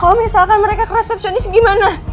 kalau misalkan mereka resepsionis gimana